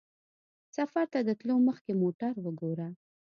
سفر ته د تلو مخکې موټر وګوره.